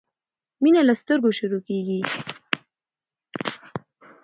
مينه له سترګو شروع کیږی